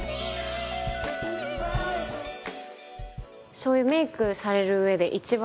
そういうメイクされるうえで一番。